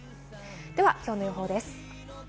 きょうの予報です。